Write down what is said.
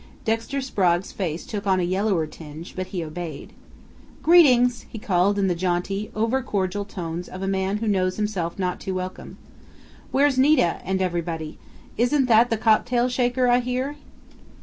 Dexter Sprague's face took on a yellower tinge, but he obeyed. "Greetings!" he called in the jaunty, over cordial tones of a man who knows himself not too welcome. "Where's Nita and everybody? Isn't that the cocktail shaker I hear?"